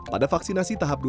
pada vaksinasi tahap dua